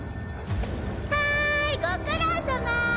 はーいご苦労さま！